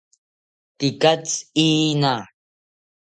Tekatzi iina